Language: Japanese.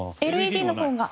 ＬＥＤの方が？